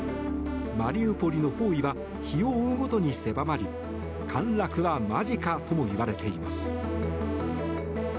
マリウポリの包囲は日を追うごとに狭まり陥落は間近ともいわれています。